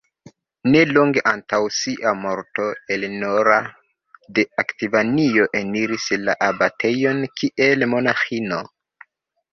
Ne longe antaŭ sia morto Eleonora de Akvitanio eniris la abatejon kiel monaĥino.